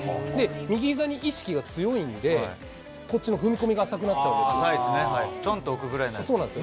右ひざに意識が強いんで、こっちの踏み込みが浅くなっちゃうんで浅いっすね。